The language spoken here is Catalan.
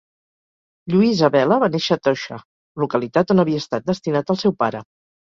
Lluïsa Vela va néixer a Toixa, localitat on havia estat destinat el seu pare.